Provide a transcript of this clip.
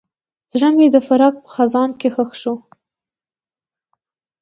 زړه مې د فراق په خزان کې ښخ شو.